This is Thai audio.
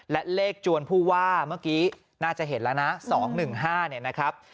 และเลขจวนผู้ว่าเมื่อกี้น่าจะเห็นแล้วนะ๒๑๕เนี่ยนะครับ